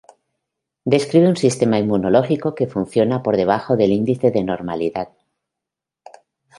Describe un sistema inmunológico que funciona por debajo del índice de normalidad.